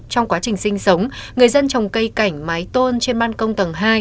trong quá trình sinh sống người dân trồng cây cảnh mái tôn trên ban công tầng hai